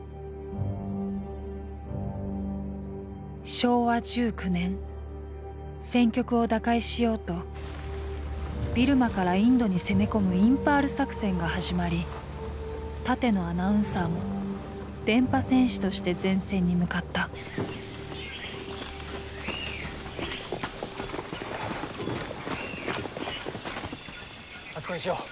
昭和１９年戦局を打開しようとビルマからインドに攻め込むインパール作戦が始まり館野アナウンサーも電波戦士として前線に向かったあそこにしよう。